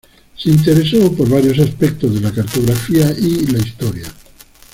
Se interesó por varios aspectos de la cartografía y la historia.